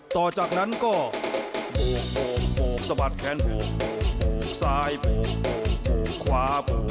ต่อจากนั้นก็สะบัดแขนซ้ายขวา